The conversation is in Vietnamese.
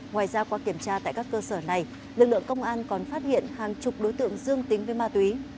ngoài ra qua kiểm tra tại các cơ sở này lực lượng công an còn phát hiện hàng chục đối tượng dương tính với ma túy